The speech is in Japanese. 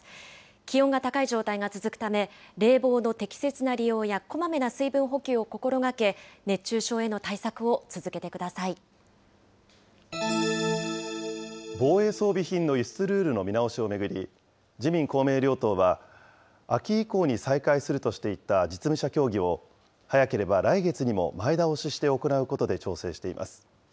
気温が高い状態が続くため、冷房の適切な利用やこまめな水分補給を心がけ、熱中症への対策を続け防衛装備品の輸出ルールの見直しを巡り、自民、公明両党は、秋以降に再開するとしていた実務者協議を、早ければ来月にも前倒しして行うことで調整しています。